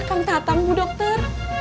kang datang bu dokter